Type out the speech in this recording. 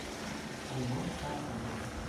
الماس برق میزند.